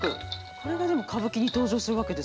これがでも歌舞伎に登場するわけですもんね。